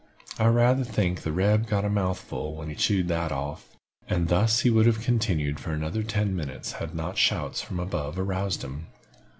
I rayther think the reb got a mouthful when he chawed that off!" And thus he would have continued for another ten minutes had not shouts from above aroused him.